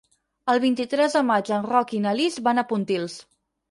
El vint-i-tres de maig en Roc i na Lis van a Pontils.